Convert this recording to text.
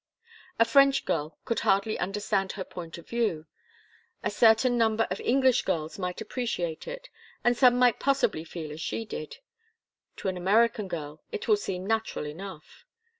A French girl could hardly understand her point of view; a certain number of English girls might appreciate it, and some might possibly feel as she did; to an American girl it will seem natural enough.